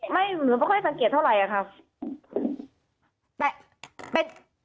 ไม่เราไม่ค่อยสังเกตเท่าไหร่ครับ